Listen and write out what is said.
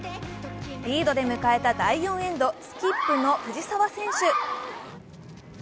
リードで迎えた第４エンド、スキップの藤澤選手。